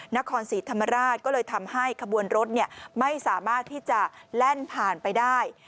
นครศรีธรรมราชก็เลยทำให้ขบวนรถไม่สามารถที่จะแล่นผ่านไปได้